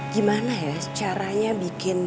gimana yah caranya bikin